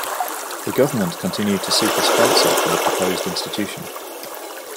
The government continued to seek a sponsor for the proposed institution.